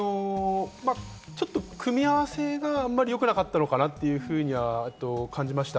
組み合わせがあまりよくなかったのかなというふうには感じました。